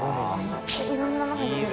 めっちゃいろんなの入ってる。